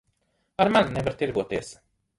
Ar mani nevar tirgoties.